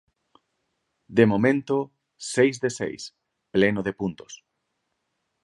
De momento seis de seis, pleno de puntos.